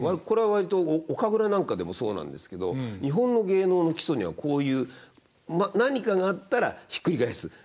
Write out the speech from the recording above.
これは割とお神楽なんかでもそうなんですけど日本の芸能の基礎にはこういう「何かがあったらひっくり返す。